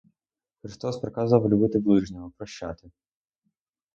Христос приказував любити ближнього, прощати.